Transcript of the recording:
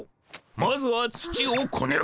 まずは土をこねる。